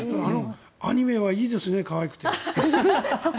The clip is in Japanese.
あのアニメはいいですね可愛くて。